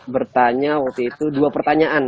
bertanya waktu itu dua pertanyaan